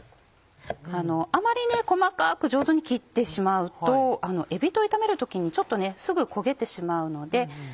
あまり細かく上手に切ってしまうとえびと炒める時にすぐ焦げてしまうので。